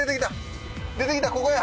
出てきたここや！